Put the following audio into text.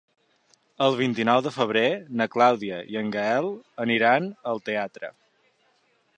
El vint-i-nou de febrer na Clàudia i en Gaël aniran al teatre.